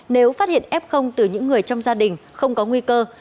nếu phát hiện f từ những người trong gia đình không có nguy cơ